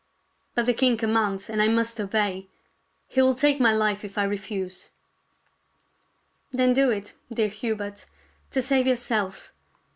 " But the king commands, and I must obey. He will take my life if I refuse." "Then do it, dear Hubert, to save yourself.